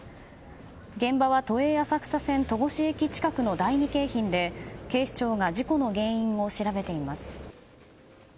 現場は都営浅草線戸越駅近くの第二京浜で警視庁が事故の原因を調べています。